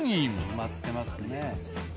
埋まってますね。